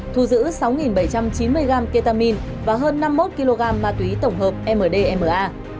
thu giữ sáu bảy trăm chín mươi gram ketamine và hơn năm mươi một kg ma túy tổng hợp mdma